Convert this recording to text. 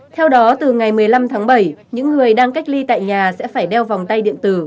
theo đó từ ngày một mươi năm tháng bảy những người đang cách ly tại nhà sẽ phải đeo vòng tay điện tử